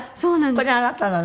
これあなたなの？